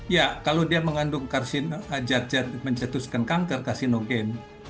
ya kalau dia mengandung jad jad mencetuskan kanker karsinogen